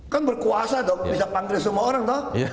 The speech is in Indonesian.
kan berkuasa dong bisa panggilin semua orang tau